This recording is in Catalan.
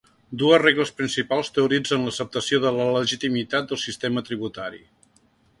Dues regles principals teoritzen l'acceptació de la legitimitat del sistema tributari.